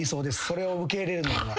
それを受け入れるのは。